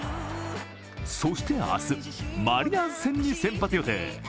そして明日、マリナーズ戦に先発予定。